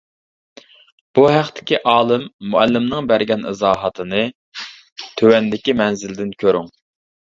بۇ ھەقتىكى ئالىم مۇئەللىمنىڭ بەرگەن ئىزاھاتىنى تۆۋەندىكى مەنزىلدىن كۆرۈڭ.